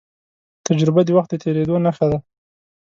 تجربه د وخت د تېرېدو نښه ده.